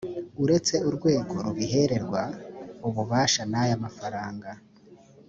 uretse urwego rubiherwa ububasha n aya mafaranga